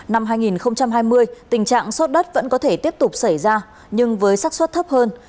năm hai nghìn hai mươi tình trạng sốt đất vẫn có thể tiếp tục xảy ra nhưng với sắc xuất thấp hơn